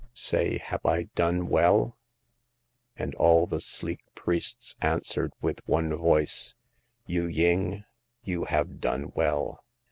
Say, have I done well ?" And all the sleek priests answered with one voice : "Yu ying, you have done well.